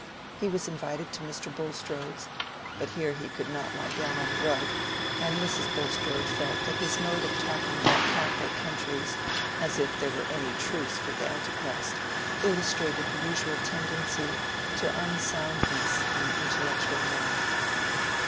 He was invited to Mr. Bulstrode's; but here he could not lie down on the rug, and Mrs. Bulstrode felt that his mode of talking about Catholic countries, as if there were any truce with Antichrist, illustrated the usual tendency to unsoundness in intellectual men.